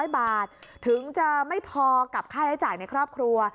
๐บาทถึงจะไม่พอกับค่าใช้จ่ายในครอบครัว